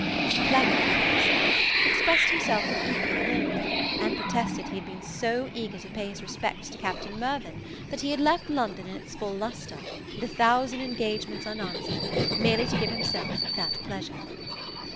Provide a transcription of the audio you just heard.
Sir Clement, on the other side, expressed himself with equal warmth; and protested he had been so eager to pay his respects to Captain Mirvan, that he had left London in its full lustre, and a thousand engagements unanswered, merely to give himself that pleasure.